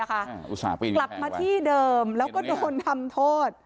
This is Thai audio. กลับมาที่เดิมแล้วก็โดนทำโทษ